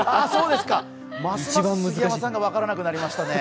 ますます杉山さんが分からなくなりましたね。